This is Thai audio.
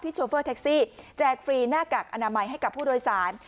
โชเฟอร์แท็กซี่แจกฟรีหน้ากากอนามัยให้กับผู้โดยสาร